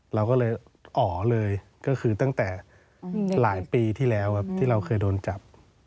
เราก็เลยอ๋อเลยก็คือตั้งแต่หลายปีที่แล้วครับที่เราเคยโดนจับ